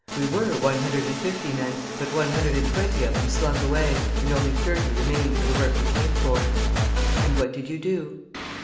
We were one hundred and fifty men, but one hundred and twenty of them slunk away, and only thirty remained for the work we came for.' "'And what did you do?'